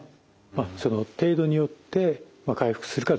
その程度によって回復するかどうか。